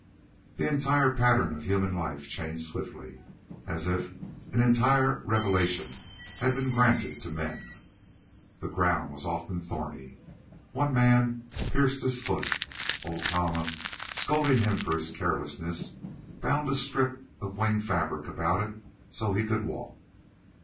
The entire pattern of human life changed swiftly, as if an entire revelation had been granted to men. The ground was often thorny. One man pierced his foot. Old Tama, scolding him for his carelessness, bound a strip of wing fabric about it so he could walk.